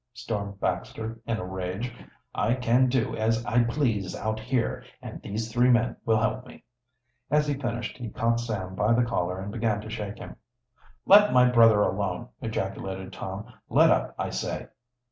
stormed Baxter, in a rage. "I can do as I please out here, and these three men will help me." As he finished he caught Sam by the collar and began to shake him. "Let my brother alone!" ejaculated Tom. "Let up, I say!"